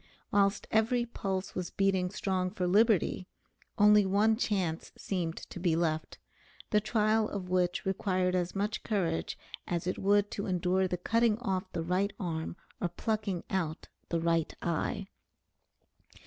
Whilst every pulse was beating strong for liberty, only one chance seemed to be left, the trial of which required as much courage as it would to endure the cutting off the right arm or plucking out the right eye.